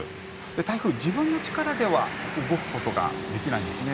台風、自分の力では動くことができないんですね。